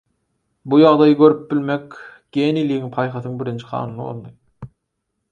Bu ýagdaýy görüp bilmek geniligiň, paýhasyň birinji kanuny boldy.